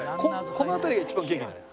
この辺りが一番元気なの。